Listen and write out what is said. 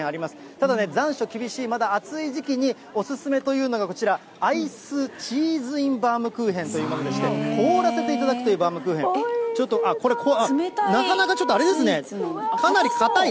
ただね、残暑厳しいまだ暑い時期にお勧めというのがこちら、アイスチーズインバウムクーヘンというものでして、凍らせて頂くというバウムクーヘン、ちょっと、なかなか、ちょっとあれですね、かなり硬い。